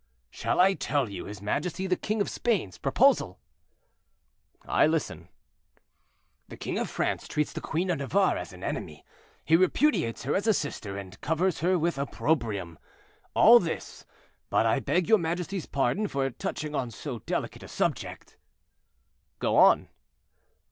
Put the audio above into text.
"Shall I tell you his majesty the king of Spain's proposal?" "I listen." "The king of France treats the queen of Navarre as an enemy, he repudiates her as a sister, and covers her with opprobrium. All this, but I beg your majesty's pardon for touching on so delicate a subject—" "Go on."